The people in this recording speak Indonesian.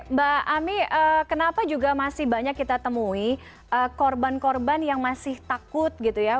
mbak ami kenapa juga masih banyak kita temui korban korban yang masih takut gitu ya